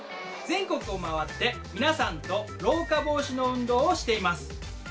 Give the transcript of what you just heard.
全国を回って皆さんと老化防止の運動をしています。